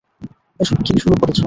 এসব কী শুরু করেছ?